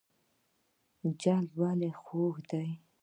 جلبي ولې خوږه ده؟